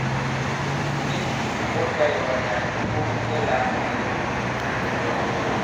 Mùt nik à ɓɔtā ìwaslàk di iɓok di nyɛ lāa ŋgê yǎ.